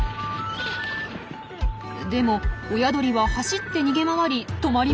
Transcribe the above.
でも親鳥は走って逃げ回り止まりません。